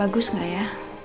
bagus gak ya